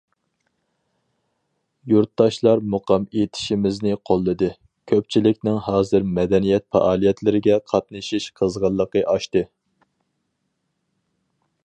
يۇرتداشلار مۇقام ئېيتىشىمىزنى قوللىدى، كۆپچىلىكنىڭ ھازىر مەدەنىيەت پائالىيەتلىرىگە قاتنىشىش قىزغىنلىقى ئاشتى.